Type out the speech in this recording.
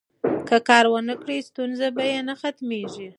که کار ونکړي، ستونزې به یې نه ختمیږي.